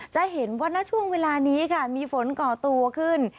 จะเห็นว่าณช่วงเวลานี้ค่ะมีฝนก่อตัวขึ้น